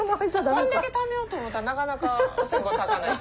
こんだけためようと思ったらなかなかお線香たかないと。